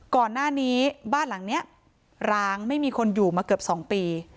ก่อนหน้านี้บ้านหลังนี้ร้างไม่มีคนอยู่มาเกือบ๒ปี